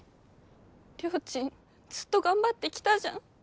りょーちんずっと頑張ってきたじゃん。